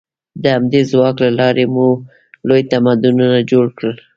د همدې ځواک له لارې مو لوی تمدنونه جوړ کړل.